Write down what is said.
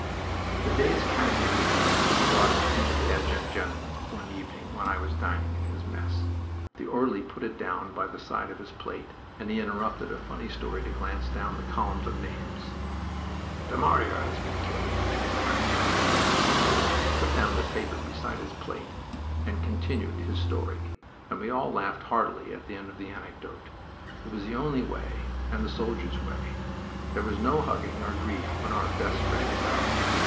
The day's casualty list was brought into the adjutant general one evening when I was dining in his mess. The orderly put it down by the side of his plate, and he interrupted a funny story to glance down the columns of names. "Du Maurier has been killed... I'm sorry." He put down the paper beside his plate again and continued his story, and we all laughed heartily at the end of the anecdote. It was the only way, and the soldier's way. There was no hugging of grief when our best friend fell.